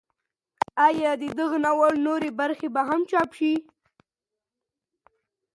ایا د دغه ناول نورې برخې به هم چاپ شي؟